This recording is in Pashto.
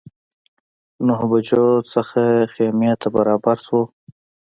نهه بجو څخه خیمې ته برابر شوو.